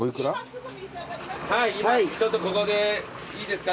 はい今ちょっとここでいいですか？